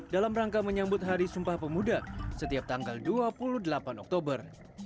dalam rangka menyambut hari sumpah pemuda setiap tanggal dua puluh delapan oktober